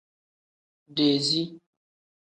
Dezii.